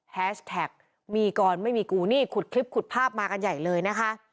แฮชแท็กมีกรไม่มีกูนี่ขุดคลิปขุดภาพมากันใหญ่เลยนะคะ